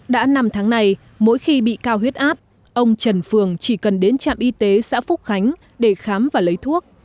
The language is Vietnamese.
đã năm tháng này mỗi khi bị cao huyết áp ông trần phường chỉ cần đến trạm y tế xã phúc khánh để khám và lấy thuốc